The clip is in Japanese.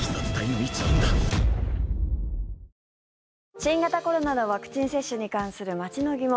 新型コロナのワクチン接種に関する街の疑問。